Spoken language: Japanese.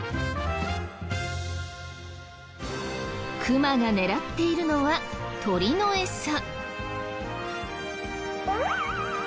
クマが狙っているのは鳥のエサ。